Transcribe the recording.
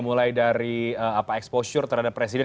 mulai dari exposure terhadap presiden